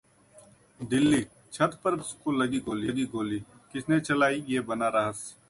दिल्ली: छत पर बैठे शख्स को लगी गोली, किसने चलाई ये बना रहस्य